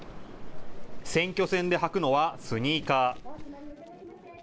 選挙戦で履くのはスニーカー。